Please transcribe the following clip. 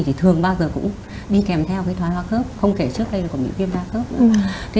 thì thường bao giờ cũng đi kèm theo cái thoái hoa khớp không kể trước đây còn bị viêm đa khớp nữa